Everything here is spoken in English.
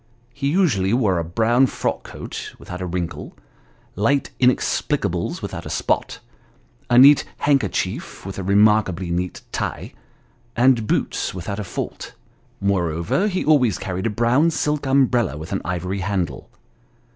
He usually wore a brown frock coat with out a wrinkle, light inexplicables without a spot, a neat neckerchief with a remarkably neat tie, and boots without a fault ; moreover, he always carried a brown silk umbrella with an ivory handle.